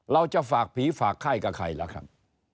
เราจะฝากผีฝากไข้กับใครล่ะครับ